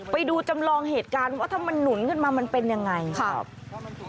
ไปดูจำลองเหตุการณ์ว่าถ้ามันหนุนขึ้นมามันเป็นยังไงครับ